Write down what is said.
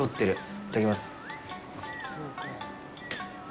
いただきます。